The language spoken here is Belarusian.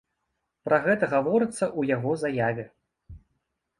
Пра гэта гаворыцца ў яго заяве.